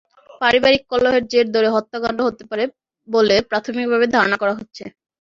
পারিবারিক কলহের জের ধরে হত্যাকাণ্ড হতে পারে বলে প্রাথমিকভাবে ধারণা করা হচ্ছে।